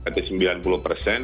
berarti sembilan puluh persen